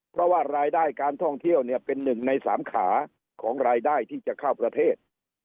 เพราะว่ารายได้การท่องเที่ยวเนี่ยเป็นหนึ่งในสามขาของรายได้ที่จะเข้าประเทศ